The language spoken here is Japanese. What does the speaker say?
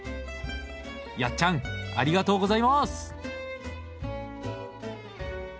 やっちゃんありがとうございます！